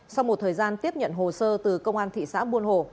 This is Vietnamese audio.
sau một thời gian tiếp nhận hồ sơ từ công an thị xã buôn hồ